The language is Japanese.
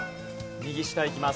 右下いきます。